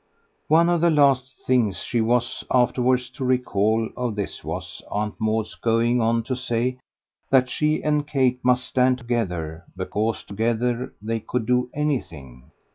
One of the last things she was afterwards to recall of this was Aunt Maud's going on to say that she and Kate must stand together because together they could do anything.